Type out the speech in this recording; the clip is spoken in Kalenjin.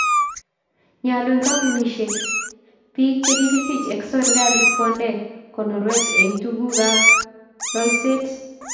Nyolu eng kampunisyek, biik chichsk ako serikalit konde konorweet eng tuguukab loiseet